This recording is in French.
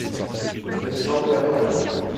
Les gens de la campagne.